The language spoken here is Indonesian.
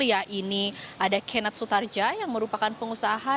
yang ini ada kenneth sutardja yang merupakan pengusaha